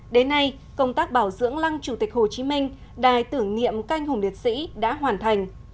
đến nay công tác bảo dưỡng lăng chủ tịch hồ chí minh đài tưởng niệm canh hùng liệt sĩ đã hoàn thành